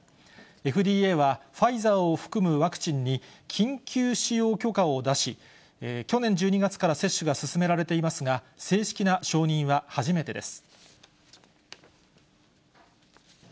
ＦＤＡはファイザーを含むワクチンに緊急使用許可を出し、去年１２月から接種が進められていますが、正式な承認は初めてです。